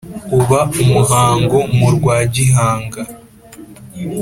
Uba umuhango mu rwa Gihanga